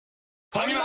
ファミマ！